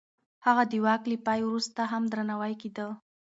هغه د واک له پای وروسته هم درناوی کېده.